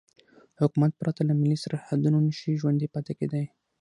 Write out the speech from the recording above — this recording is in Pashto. حکومت پرته له ملي سرحدونو نشي ژوندی پاتې کېدای.